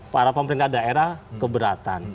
para pemerintah daerah keberatan